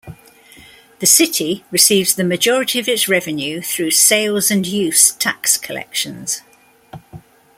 The City receives the majority of its revenue through sales and use tax collections.